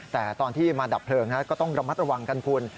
แต่ตอนที่มาดับเพลิงก็ต้องระมัดระวังกันคุณ